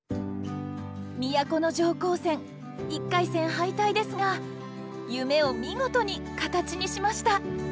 都城高専１回戦敗退ですが夢を見事に形にしました！